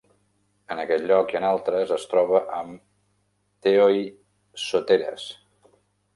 En aquell lloc i en altres, es troba amb "theoi soteres".